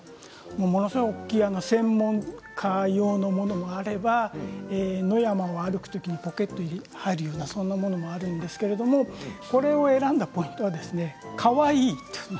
ものすごく大きい専門家用のものもあれば野山の散策でポケットに入るようなそんなものもあるんですけれどもこれを選んだポイントはかわいい。